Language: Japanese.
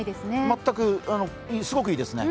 全く、すごくいいですね。